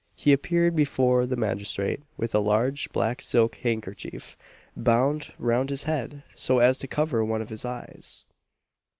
He appeared before the magistrate with a large black silk handkerchief bound round his head, so as to cover one of his eyes.